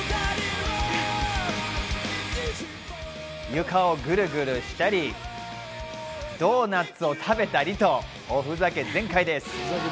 床をグルグルしたり、ドーナツを食べたりと、おふざけ全開です。